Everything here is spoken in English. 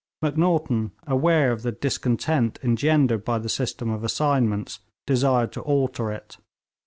Macnaghten, aware of the discontent engendered by the system of assignments, desired to alter it.